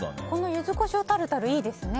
ユズコショウタルタルいいですね。